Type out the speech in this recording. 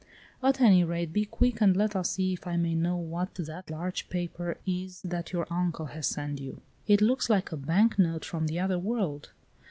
At any rate be quick, and let us see if I may know what that large paper is that your uncle has sent you. It looks like a bank note from the other world."